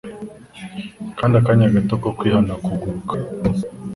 Kandi akanya gato ko kwihana kuguruka